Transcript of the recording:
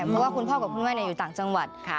เพราะว่าคุณพ่อกับคุณแม่อยู่ต่างจังหวัดค่ะ